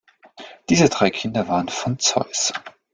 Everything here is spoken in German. Diese drei Kinder waren von Zeus.